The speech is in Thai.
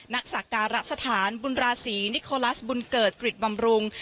นักศักรรณสถานบุราศีนิโคลาสบุญเกิร์ตกฤทธิ์บำรุง